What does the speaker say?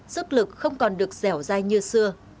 sức lực không còn được dẻo dai như xưa